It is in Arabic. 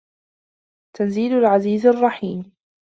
تَنزيلَ العَزيزِ الرَّحيمِ